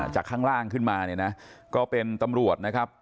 จากข้างล่างขึ้นมาก็เป็นตำรวจนะครับ